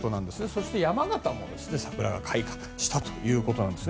そして山形も桜が開花したということです。